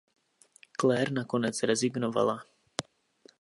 Claire nakonec rezignovala.